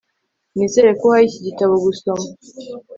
Nizere ko uhaye iki gitabo gusoma